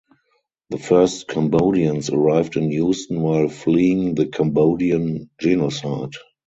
The first Cambodians arrived in Houston while fleeing the Cambodian genocide.